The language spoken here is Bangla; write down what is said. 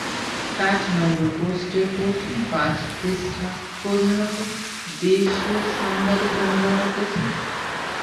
কাঠমান্ডু পোস্টের প্রথম পাঁচ পৃষ্ঠা প্রধানত দেশের সংবাদের জন্য বরাদ্দ থাকে।